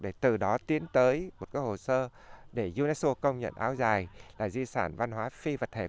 để từ đó tiến tới một cái hồ sơ để unesco công nhận áo dài là di sản văn hóa phi vật thể